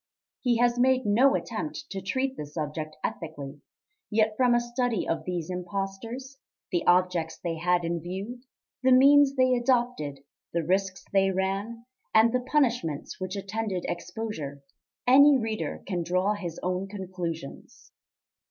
He has made no attempt to treat the subject ethically; yet from a study of these impostors, the objects they had in view, the means they adopted, the risks they ran, and the punishments which attended exposure, any reader can draw his own conclusions.